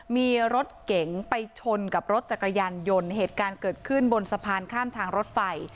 มีรถเก๋งไปชนกับรถจักรยานยนต์เหตุการณ์เกิดขึ้นบนสะพานข้ามทางรถไฟ